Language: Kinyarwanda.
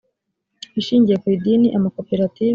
ishingiye ku idini amakoperative